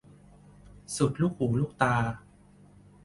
สุดลูกหูลูกตา